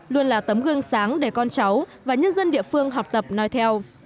luôn là tấm gương sáng để con cháu và nhân dân địa phương học tập nói theo